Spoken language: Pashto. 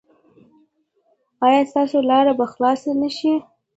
ایا ستاسو لارې به خلاصې نه شي؟